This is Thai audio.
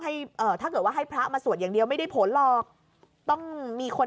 เอ่อถ้าเกิดว่าให้พระมาสวดอย่างเดียวไม่ได้ผลหรอกต้องมีคน